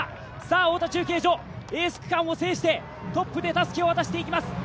太田中継所、エース区間を制してトップでたすきを渡していきます。